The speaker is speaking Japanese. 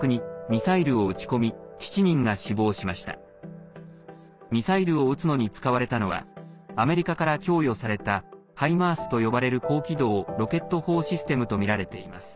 ミサイルを撃つのに使われたのはアメリカから供与された「ハイマース」と呼ばれる高機動ロケット砲システムとみられています。